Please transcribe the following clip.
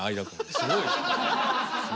すごいね。